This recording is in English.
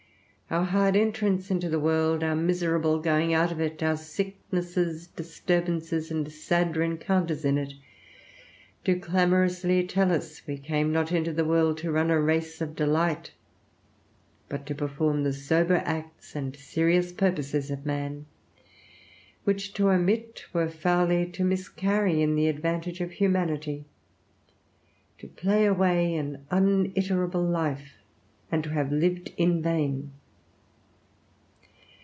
Our hard entrance into the world, our miserable going out of it, our sicknesses, disturbances, and sad rencounters in it, do clamorously tell us we came not into the world to run a race of delight, but to perform the sober acts and serious purposes of man; which to omit were foully to miscarry in the advantage of humanity, to play away an uniterable life, and to have lived in vain.